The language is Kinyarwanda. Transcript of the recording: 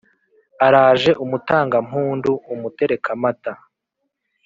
araje umutangampundu, umuterekamata